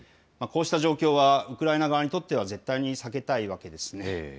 こうした状況は、ウクライナ側にとっては絶対に避けたいわけですね。